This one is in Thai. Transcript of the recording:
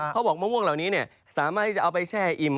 เขาบอกมะม่วงเหล่านี้สามารถให้จะเอาไปแช่อิ่ม